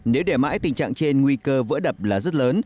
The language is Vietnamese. nếu để mãi tình trạng trên nguy cơ vỡ đập là rất lớn